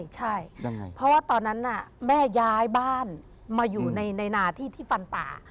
ใช่เพราะว่าตอนนั้นแม่ย้ายบ้านมาอยู่ในนาที่ที่ฟันป่า